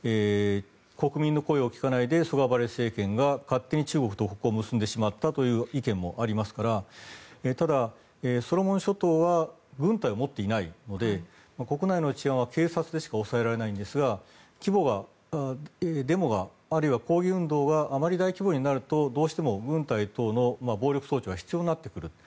国民の声を聴かないでソガバレ政権が勝手に中国と国交を結んでしまったということもありますからただ、ソロモン諸島は軍隊を持っていないので国内の治安は警察でしか抑えられないんですがデモが、あるいは抗議運動があまり大規模になるとどうしても軍隊等の暴力装置は必要になってくる。